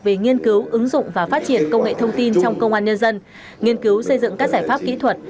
về nghiên cứu ứng dụng và phát triển công nghệ thông tin trong công an nhân dân nghiên cứu xây dựng các giải pháp kỹ thuật